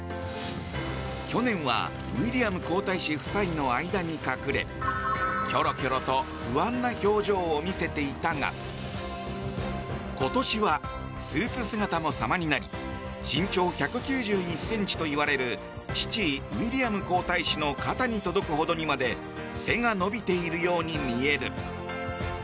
去年はウィリアム皇太子夫妻の間に隠れキョロキョロと不安な表情を見せていたが今年はスーツ姿も様になり身長１９１ｃｍといわれる父ウィリアム皇太子の肩に届くほどにまでに背が伸びているように見える。